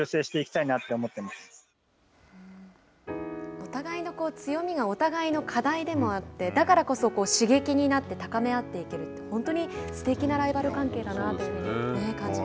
お互いの強みがお互いの課題でもあってだからこそ刺激になって高め合っていけるって本当にすてきなライバル関係だなというふうに本当にそうですね。